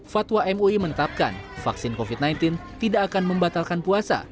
fatwa mui menetapkan vaksin covid sembilan belas tidak akan membatalkan puasa